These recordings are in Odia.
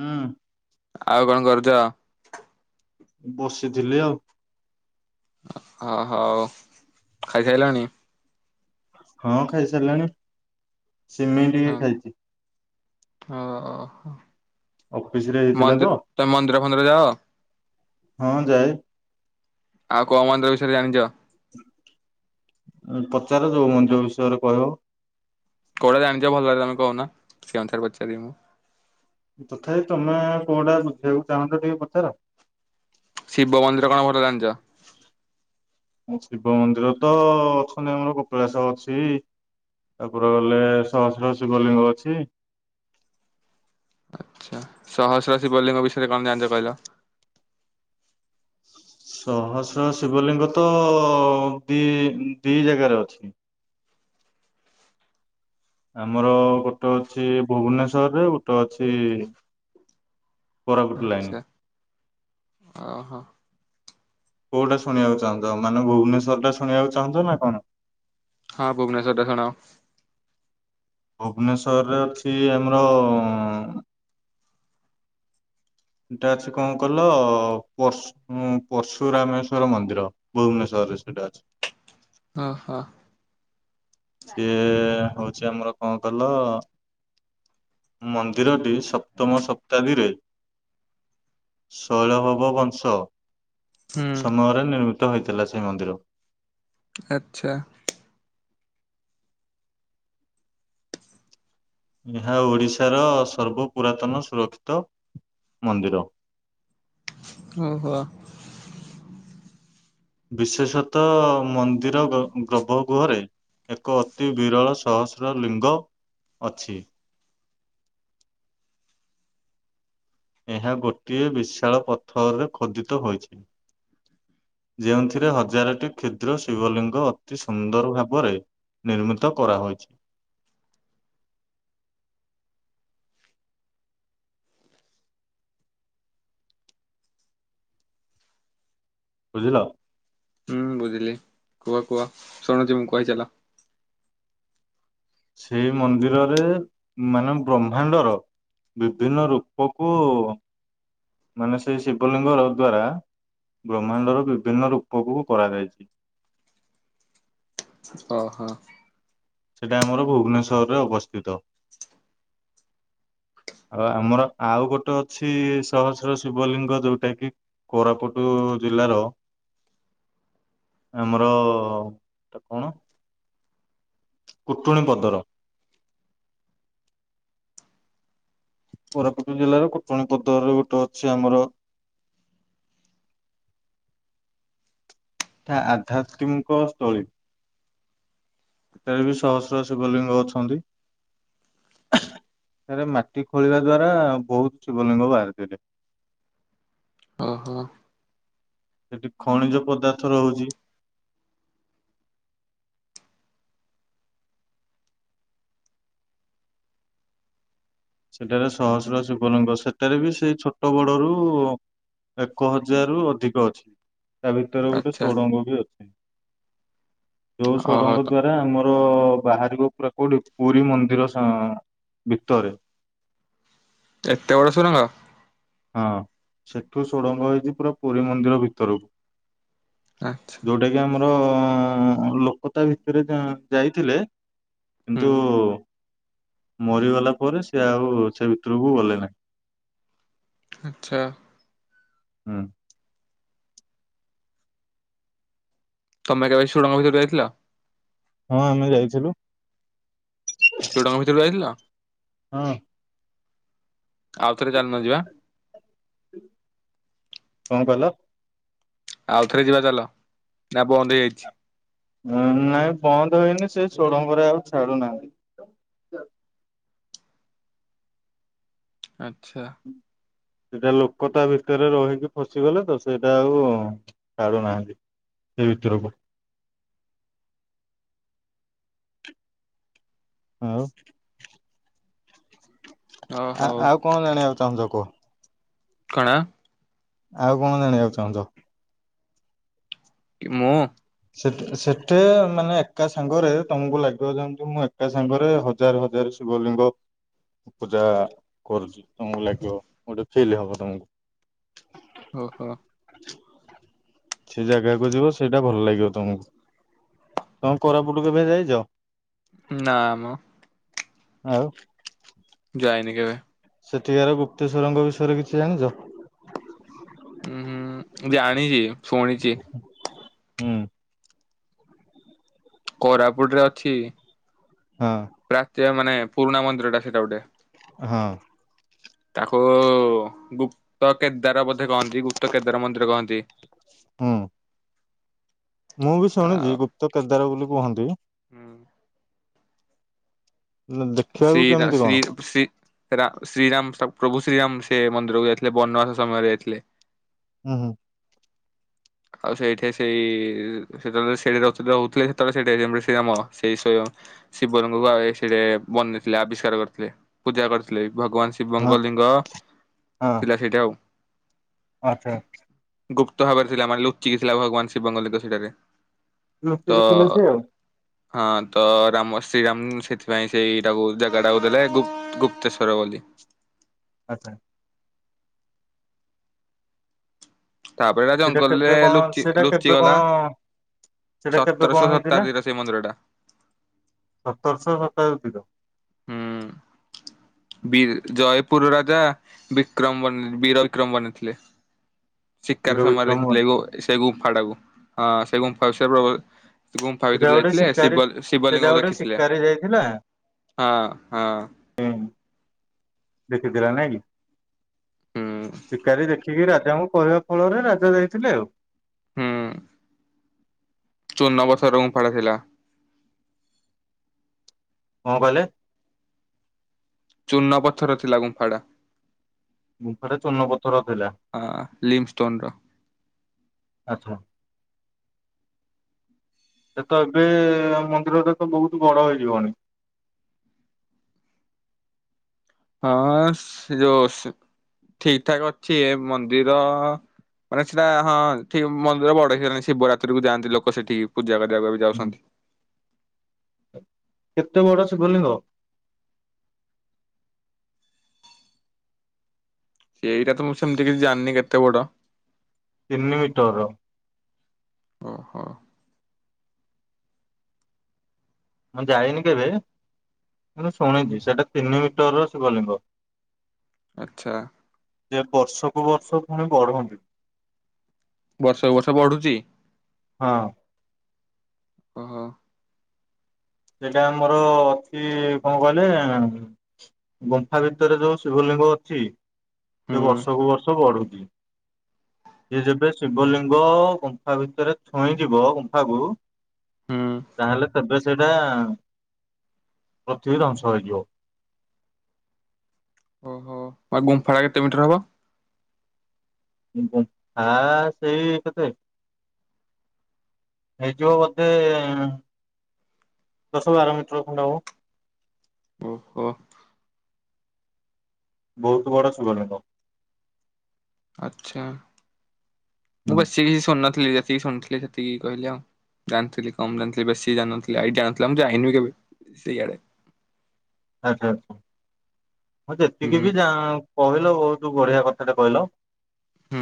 ହୁଁ ଆଉ କଣ କରୁଚ? ବସିଥିଲି ଆଉ। ଅ ହଉ ଖାଇସାଇିଲଣି? ହଁ ଖାଇସାରିଲାଣି ସିମେଇ ଟିକେ ଖାଇଚି। ଓହୋ ଅଫିସ ରେ ହେଇଥିଲା ତ ମନ୍ଦିର୍ ତମେ ମନ୍ଦିର ଫନ୍ଦିର ଯାଅ? ହଁ ଯାଏ। ଆଉ କୋଉ ମନ୍ଦି ବିଷୟରେ ଜାଣିଚ? ଉଁ ପଚାର ଯୋଉ ମନ୍ଦିର ବିଷୟରେ କହିବ। କୋଉଟା ଜାଣିଚ ଭଲରେ ତମେ କହୁନା ସେ ଅନୁସାରେ ପଚାରିବି ମୁଁ। ତଥାପି ତମେ କୋଉଟା ବୁଝିବାକୁ ଚାହୁଁଛ ଟିକେ ପଚାର। ଶିବ ମନ୍ଦିର କଣ ଭଲ ଜାଣିଚ? ଉଁ ଶିବ ମନ୍ଦିର ତ ଅଛନ୍ତି ଆମର କପିଳାସ ଅଛି ତାପରେ ଗଲେ ସହସ୍ର ଶିବଲିଙ୍ଗ ଅଛି। ଆଚ୍ଛା ସହସ୍ରଶିବ ଲିଙ୍ଗ ବିଷୟରେ କଣ ଜାଞ୍ଚ କହିଲ? ସହସ୍ର ଶିବଲିଙ୍ଗ ତ ଦି ଦି ଜାଗାରେ ଅଛି। ଆମର ଗୋଟେ ଅଛି ଭୁବନେଶରେ ଗୋଟେ ଅଛି କୋରାପୁଟ ଲାଇନି। ଅ ହ। କୋଉଟା ଶୁଣିବାକୁ ଚାହୁଁଚ ମାନେ ଭୁବନେଶ୍ଵର ଟା ଶୁଣିବାକୁ ଚାହୁଁଛ ନା କଣ? ହଁ ଭୁବନେଶ୍ୱର ଟା ଶୁଣାଅ ଭୁବନେଶ୍ୱରରେ ଅଛି ଆମର ଏଟା ଅଛି କଁ କଲ ପଶୁ ହୁଁ ପର୍ଶୁରାମେଶ୍ଵର ମନ୍ଦିର ଭୁବନେଶ୍ଵରରେ ସେଇଟା ଅଛି। ଓହୋ ସିଏ ହଉଛି ଆମର କଣ କଲ ମନ୍ଦିରଟି ସପ୍ତମ ଶତାବ୍ଦୀରେ ଶୈଳଭାବ ବଂଶ ହୁଁ ସମୟରେ ନିର୍ମିତ ହେଇଥିଲା ସେଇ ମନ୍ଦିର। ଆଚ୍ଛା। ଏହା ଓଡିଶାର ସର୍ବ ପୁରାତନ ସୁରକ୍ଷିତ ମନ୍ଦିର। ଓହୋ ବିଶେଷତଃ ମନ୍ଦିର ଗର୍ଭ ଗୃହରେ ଏକ ଅତି ବିରଳ ସହସ୍ର ଲିଙ୍ଗ ଅଛି। ଏହା ଗୋଟିଏ ବିଶାଳ ପଥରରେ ଖୋଦିତ ହୋଇଛି। ଯେଉଁଥିରେ ହଜାରଟି କ୍ଷୁଦ୍ର ଶିବଲିଙ୍ଗ ଅତି ସୁନ୍ଦର ଭାବରେ ନିର୍ମିତ କରା ହୋଇଛି। ବୁଝିଲ। ହୁଁ ବୁଝିଲି କୁହ କୁହ ଶୁଣୁଛି ମୁଁ କହିଚାଲ। ସେଇ ମନ୍ଦିରରେ ମାନେ ବ୍ରହ୍ମାଣ୍ଡର ବିଭିନ୍ନ ରୂପକୁ ମାନେ ସେଇ ଶିବଲିଙ୍ଗର ଦ୍ଵାରା ବ୍ରହ୍ମାଣ୍ଡର ବିଭିନ୍ନ ରୂପକୁ କରାଯାଇଛି। ଓହୋ ସେଟା ଆମର ଭୁବନେଶ୍ଵରରେ ଅବସ୍ଥିତ। ଆଉ ଆମର ଆଉ ଗୋଟେ ଅଛି ସହସ୍ର ଶିବଲିଙ୍ଗ ଯୋଉଟା କି କୋରାପୁଟୁ ଜିଲ୍ଲାର ଆମର ଟେ କଣ? କୁଟୁଣି ପଦର। କୋରାପୁଟ ଜିଲ୍ଲାର କୁଟଣୀ ପଦର ଗୋଟେ ଅଛି ଆମର। ଏଇଟା ଆଧ୍ୟାତ୍ମିକଙ୍କ ସ୍ଥଳୀ। ଏଠାରେ ବି ଶସ୍ରହ ଶିବଲିଙ୍ଗ ଅଛନ୍ତି। ସେରେ ମାଟି ଖୋଳିବା ଦ୍ଵାରା ବହୁତ ଶିବଲିଙ୍ଗ ବାହାରିଥିଲେ। ଓହୋ ସେଠି ଖଣିଜ ପଦାର୍ଥ ରହୁଛି। ସେଠାରେ ସହସ୍ର ଶୀବଲିଙ୍ଗ ସେଠାରେ ବି ସେଇ ଛୋଟ ବଡ ରୁ ଏକ ହଜାରରୁ ଅଧିକ ଅଛି ତା ଭିତରେ ଗୋଟେ ଆଚ୍ଛା ଷୋଡଙ୍ଗ ବି ଅଛି ଯୋଉ ଓହୋ ଷୋଡଙ୍ଗ ତ ଦ୍ଵା ସେ ଆମର ବାହାରିବ ପୁରା କୋଉଠି ପୁରୀ ମନ୍ଦିର ଭିତରେ। ଏତେ ବଡ ସୁଡ଼ଙ୍ଗ। ହଁ ସେଠୁ ସୁଡ଼ଙ୍ଗ ହେଇଛି ପୁରା ପୁରୀ ମନ୍ଦିର ଭିତରକୁ। ଆଚ୍ଛା ଆ ଆମର ଲୋକ ତା ଭିତରେ ଯାଇଥିଲେ। କିନ୍ତୁ ହୁଁ ମରିଗଲା ପରେ ସିଏ ଆଉ ସେ ଭିତରକୁ ଗଲେ ନାହିଁ। ଆଚ୍ଛା ହୁଁ ତମେ କେବେ ସୁଡ଼ଙ୍ଗ ଭିତରକୁ ଯାଇଥିଲା? ହଁ ଆମେ ଯାଇଥିଲୁ। ସୁଡଙ୍ଗ ଭିତରକୁ ଯାଇଥିଲ ହଁ। ଆଉଥରେ ଚାଲୁନ ଯିବା। କଣ କହିଲ? ଆଉ ଥରେ ଯିବା ଚାଲ ନା ବନ୍ଦ ହେଇଯାଇଛି? ଉଁ ନାଇଁ ବନ୍ଦ ହୋଇନି ସେ ସୁଡ଼ଙ୍ଗ ରେ ଆଉ ଛାଡୁନାହାନ୍ତି। ଆଚ୍ଛା। ସେଇଟା ଲୋକ ତା ଭିତରେ ରହିକି ଫସିଗଲେ ତ ସେଇଟା ଆଉ କାଢଡୁନାହାନ୍ତି। ସେଇ ଭିତୁରୁକୁ ହଉ ଅ ଆ ହଉ। ଆଉ କଣ ଜାଣିବାକୁ ଚାହୁଁଚ କୁହ। କଣ? ଆଉ କଣ ଜାଣିବାକୁ ଚାହୁଁଚ? ମୁଁ ସେ ସେଠେ ମାନେ ଏକା ସାଙ୍ଗରେ ତମକୁ ଲାଗିବ ଯେମିତି ମୁଁ ଏକା ସାଙ୍ଗରେ ହଜ ହଜାର ହଜାର ଶିବଲିଙ୍ଗ ପୂଜା କରୁଚି ତମକୁ ଲାଗିବ ଗୋଟେ ଫିଲ୍ ହବ ତମକୁ। ଓହୋ। ସେ ଜାଗାକୁ ଯିବ ସେଇଟା ଭଲ ଲାଗି ବ ତମକୁ ତମେ କୋରାପୁଟୁ କେବେ ଯାଇଚ? ନାମ। ଆଉ ଯାଇନି କେବେ ସେଠିକାର ଗୁପ୍ତେଶ୍ୱରଙ୍କ ବିଷୟରେ କିଛି ଜାଣିଚ? ଉଁ ହୁଁ ଜାଣିଚି ସୋଣିଚି। ହୁଁ। କୋରାପୁଟରେ ଅଛି ହଁ। ପ୍ରାଚ୍ୟ ମାନେ ପୁରୁଣା ମନ୍ଦିର ଟା ସେଇଟା ଗୋଟେ। ହଁ। ତାକୁ ଗୁପ ପ୍ତ କେଦାର ବୋଧେ କହନ୍ତି ଗୁପ୍ତ କେଦାର ମନ୍ଦିର କହନ୍ତି। ହୁଁ ମୁଁ ବି ଶୁଣିଚି ଗୁପ୍ତ କେଦାର ବୋଲି କୁହନ୍ତି। ହୁଁ। ଶ୍ରୀ ଦେଖିବାକୁ ରା କେମିତି କଣ? ଶ୍ରୀ ଶ୍ରୀ ରା ଶ୍ରୀରାମ ସବ ପ୍ରଭୁ ଶ୍ରୀରାମ ସେ ମନ୍ଦିରକୁ ଯାଇଥିଲେ ବନବାସ ସମୟରେ ଯାଇଥିଲେ। ହୁଁ ହୁଁ। ଆଉ ସେଇଠି ସେଇ ସେତେବେଳେ ସେଠି ରହୁ ରହୁଥିଲେ ସେତେବେଳେ ସେଠେ ସେ ଟାଇମ ରେ ଶ୍ରୀ ରାମ ସେଇ ସୋୟ ଶିବ ରଙ୍କ କୁ ଆଏ ସେଠେ ବନେଇଥିଲେ ଆବିଷ୍କାର କରିଥିଲେ ପୂଜା କରିଥିଲେ ଭଗବାନ ଶି ହଁ ଶିବଙ୍କ ଲିଙ୍ଗ ଥିଲା ସେଠେ ଆଉ। ଆଛା ଆଛା। ଗୁପ୍ତ ଭାବରେ ଥିଲା ମାନେ ଲୁଚିକି ଥିଲା ଭଗବାନ ଶିବଙ୍କ ଲିଙ୍ଗ ସେଠାରେ। ଲୁଚି ତ କି ଥିଲେ ସେ ଆଉ ହଁ ତ ରାମ ଶ୍ରୀରାମ ସେଥିପାଇଁ ସେଇଟାକୁ ଟାକୁ ଜାଗା ଟାକୁ ଦେଲେ ଗୁ ଗୁପ୍ତେଶ୍ଵର ବୋଲି। ଆଚ୍ଛା। ତାପରେ ଏଟା ସେଟା ଜଙ୍ଗଲରେ କେବେ କଣ ଲୁଚି ସେଇଟା କେବେ ଲୁଚିଗଲା କଣ ସେଟା କେବେ କଣ ସତରଶହ ହେଇଥିଲା ଶତାବ୍ଦୀର ସେଇ ମନ୍ଦିର ଟା ସତରଶହ ସପ୍ତାଦି ର? ହୁଁ। ବି ଜୟପୁର ରାଜା ବିକ୍ରମ ବନ ବୀରକ୍ରମ ବନେଇଥିଲେ। ଶିକାର ବୀର ସମୟରେ ବିକ୍ରମ ଦେଖିଥିଲେ ଗୋ ଏ ସେ ଗୁମ୍ଫାଟାକୁ ହଁ ସେ ଗୁମ୍ଫା ସେ ଗୁମ୍ଫା ସେଟା ଭିତରୁ ଗୋଟେ ଯାଇଥିଲେ ଶିକାରୀ ଶିବ ସେଇଟା ଶିବଲିଙ୍ଗ ଗୋଟେ ଦେଖିଥିଲେ। ଶିକାରୀ ଯାଇଥିଲା ହଁ ହଁ। ହୁଁ। ଦେଖିଥିଲା ନାଇଁ କି? ହୁଁ ଶିକାରୀ ଦେଖିକି ରାଜାଙ୍କୁ କହିବା ଫଳରେ ରାଜା ଯାଇଥିଲେ ଆଉ। ହୁଁ। ଚୂନ ପଥର ଗୁମ୍ଫାଳ ଥିଲା। କଣ କହିଲେ? ଚୂନ ପଥର ଥିଲା ଗୁମ୍ଫାଡ଼ା। ଗୁମ୍ଫାଟା ଚୂନ ପଥର ଥିଲା। ଲିମ୍ ଷ୍ଟୋନ ର ଆଚ୍ଛା। ସେ ତ ଏବେ, ମନ୍ଦିରଟା ତ ବହୁତ ବଡ ହେଇଯିବଣି? ହଁ ସେ ଯୋଉ ସେ ଠିକ ଠାକ ଅଛି, ଏ ମନ୍ଦିର ମାନେ ସେଇଟା ହଁ ଠିକ ମନ୍ଦିର ବଡ ହେଇଗଲାଣି, ଶିବରାତ୍ରୀକୁ ଯାଆନ୍ତି ଲୋକ ସେଠିକି ପୂଜା କରିବାକୁ। ଯାଉଛନ୍ତି। କେତେ ବଡ ଶିବ ଲିଙ୍ଗ? ଏଇଟା ତ ମୁଁ ସେମତି କିଛି ଜାଣିନି କେତେ ବଡ? ତିନି ମିଟରର। ଓହୋ। ମୁଁ ଯାଇନି କେବେ ମୁଁ ଶୁଣିଛି, ସେଇଟା ତିନି ମିଟରର ଶିବଲିଙ୍ଗ। ଆଚ୍ଛା। ସିଏ ବର୍ଷକୁ ବର୍ଷ ପୁଣି ବଢନ୍ତି। ବର୍ଷକୁ ବର୍ଷ ବଢୁଛି? ହଁ। ଓହୋ। ସେଇଟା ଆମର ଅଛି, କଣ କହିଲେ ଗୁମ୍ଫା ଭିତରେ ଯୋଉ ଶିବଲିଙ୍ଗ ଅଛି, ହୁଁ ସେ ବର୍ଷକୁ ବର୍ଷ ବଢୁଛି। ସେ ଯେବେ ଶିବଲିଙ୍ଗ ଗୁମ୍ଫା ଭିତରେ ଛୁଇଁ ଯିବ ଗୁମ୍ଫାକୁ ହୁଁ। ତାହେଲେ ତେବେ ସେଇଟା, ପଥିବୀ ଧ୍ୱଂସ ହୋଇଯିବ। ଓହୋ। ଆ ଗୁମ୍ଫାଟା କେତେ ମିିଟର ହବ? ଗୁମ୍ଫା ସେଇ କେତେ? ହେଇଯିବ ବୋଧେ, ଦଶ ବାର ମିଟର ଖଣ୍ଡେ ହବ। ଓହୋ। ବହୁତ ବଡ ଶିବ ଲିଙ୍ଗ। ଆଚ୍ଛା। ମୁଁ ହୁଁ ବସି କିଛି ଶୁଣନଥିଲି ଯେତିକି ଶୁଣିଥିଲି ସେତିକି କହିଲେ ଆଉ। ଜାଣିଥିଲି କମ୍ ଜାଣିଥିଲି, ବେଶୀ ଜାଣିନଥିଲି ଆଇଡିଆ ନଥିଲା ମୁଁ ଯାଇନି କେବେ ସିଆଡେ। ଆଚ୍ଛା ଆଚ୍ଛା। ମୁଁ ଯେତିକି ହୁଁ ବି ଯା କହିଲ ବହୁତ ବଢିଆ କଥାଟେ କହିଲ ହୁଁ।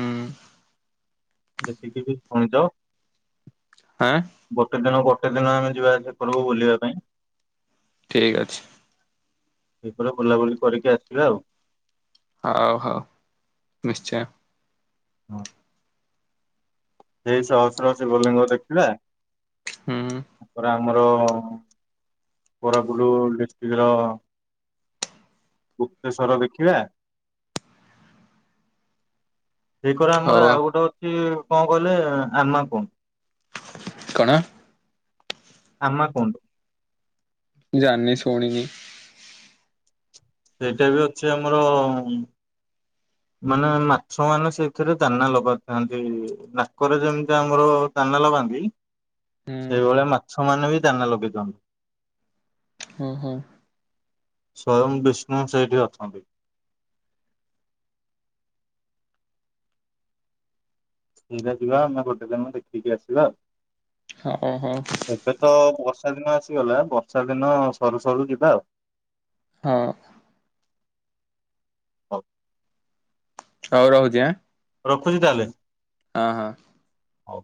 ଯେତିକି ବି ଶୁଣିଛ। ଆଁ? ଗୋଟେ ଦିନ, ଗୋଟେ ଦିନ ଆମେ ଯିବା ଆସିବା କରଉ ବୁଲିବା ପାଇଁ। ଠିକ୍ ଅଛି। ଏକରେ ବୁଲାବୁଲି କରିକି ଆସିବା ଆଉ। ହଉ ହଉ, ନିଶ୍ଚୟ। ହଁ। ସେଇ ସହସ୍ର ଶିବ ଲିଙ୍ଗ ଦେଖିବା, ହୁଁ ତାପରେ ଆମର କୋରାପୁଟ ଡିଷ୍ଟ୍ରିକ୍ଟର ଗୁପ୍ତେଶ୍ଵର ଦେଖିବା ଏକରେ ଆମର ଆଉ ଗୋଟେ ଅଛି କଣ କହିଲେ, ଆମା କୁଣ୍ଡ। କଣ? ଆମା କୁଣ୍ଡ। ଜି ସୁଣି। ସେଇଟା ବି ଅଛି ଆମର ମାନେ ମାଛ ମାନେ ସେଇଥିରେ ଦାନା ଲଗେଇଥାନ୍ତି ନାକରେ ଯେମିତି ଆମର ଦାନା ଲଗାନ୍ତି ହୁଁ ସେଇଭଳି ମାଛ ମାନେ ବି ଦାନା ଲଗେଇ ଦିନ୍ତି। ଓ ହୋ। ସ୍ଵୟଂ ବିଷ୍ଣୁ ସେଇଠି ଅଛନ୍ତି। ଇା ଯିବା ଆମେ ଗୋଟେ ଦିନ ଦେଖିକି ଆସିବା ଆଉ। ହଁ ହୋ। ଏବେ ତ ବର୍ଷା ଦିନ ଆସିଗଲା ବର୍ଷା ଦିନ ସରୁ ସରୁ ଯିବା ଆଉ। ହଁ। ହଉ ହଉ ରହୁଛିି ଆଁ। ରଖୁଛି ତାହେଲେ। ହଁ ହଁ। ହଉ।